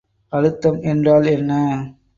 அழுத்தம் என்றால் என்ன?